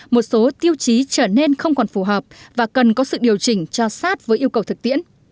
một số tiêu chí trở nên không còn phù hợp và cần có sự điều chỉnh cho sát với yêu cầu thực tiễn